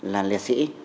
là liệt sĩ